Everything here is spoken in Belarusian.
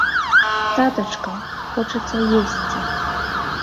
Татачка, хочацца есцi...